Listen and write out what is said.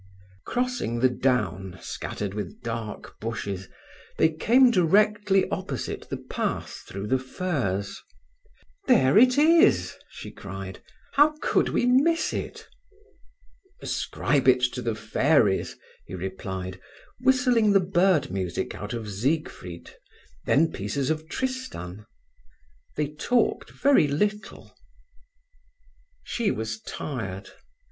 Crossing the down, scattered with dark bushes, they came directly opposite the path through the furze. "There it is!" she cried, "How could we miss it?" "Ascribe it to the fairies," he replied, whistling the bird music out of Siegfried, then pieces of Tristan. They talked very little. She was tired.